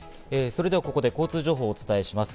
それでは、ここで交通情報をお伝えします。